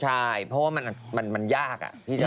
ใช่เพราะว่ามันยาก